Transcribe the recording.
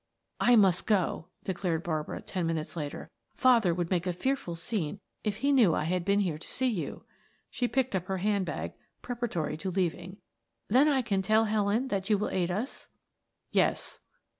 "I must go," declared Barbara ten minutes later. "Father would make a fearful scene if he knew I had been here to see you." She picked up her hand bag, preparatory to leaving. "Then I can tell Helen that you will aid us?" "Yes."